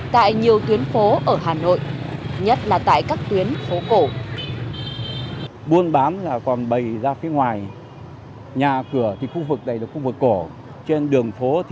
tại nhiều tuyến phố ở hà nội nhất là tại các tuyến phố cổ